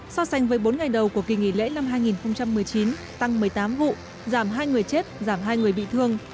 so sánh với bốn ngày đầu của kỳ nghỉ lễ năm hai nghìn một mươi chín tăng một mươi tám vụ giảm hai người chết giảm hai người bị thương